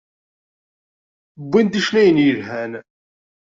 Wwin-d icennayen yelhan.